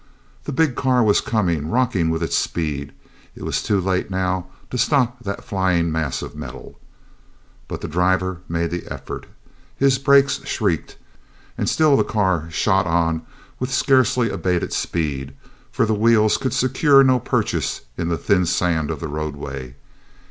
The big car was coming, rocking with its speed; it was too late now to stop that flying mass of metal. But the driver made the effort. His brakes shrieked, and still the car shot on with scarcely abated speed, for the wheels could secure no purchase in the thin sand of the roadway.